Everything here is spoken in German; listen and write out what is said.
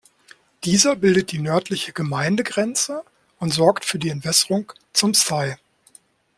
Dieser bildet die nördliche Gemeindegrenze und sorgt für die Entwässerung zum Scey.